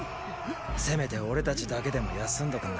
せめて俺たちだけでも休んどくんだ。